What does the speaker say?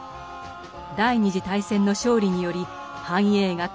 第二次大戦の勝利により繁栄が加速。